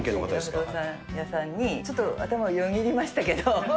不動産屋さんに、ちょっと頭をよぎりましたけど。